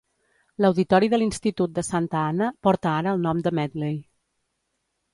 L'auditori de l'institut de Santa Ana porta ara el nom de Medley.